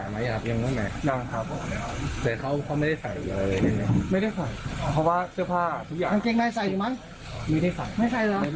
กางเกงในใส่หรือไม่ไง